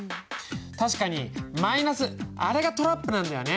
確かにマイナスあれがトラップなんだよね。